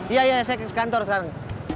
iya iya saya ke kantor sekarang